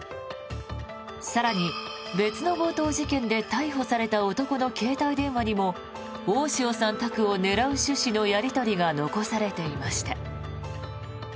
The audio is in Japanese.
更に、別の強盗事件で逮捕された男の携帯電話にも大塩さん宅を狙う趣旨のやり取りが残されていました。